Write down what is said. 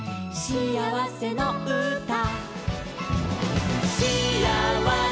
「しあわせのうた」